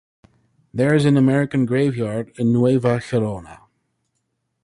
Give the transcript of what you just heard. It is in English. There is an American graveyard in Nueva Gerona.